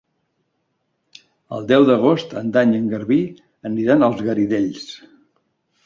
El deu d'agost en Dan i en Garbí aniran als Garidells.